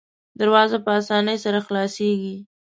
دروازه په اسانۍ سره خلاصیږي.